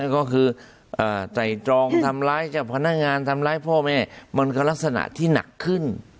ก็คือไต่ตรองทำร้ายเจ้าพนักงานทำร้ายพ่อแม่มันก็ลักษณะที่หนักขึ้น